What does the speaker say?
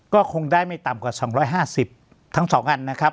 ก็คงได้ไม่ต่ำกว่า๒๕๐ทั้ง๒อันนะครับ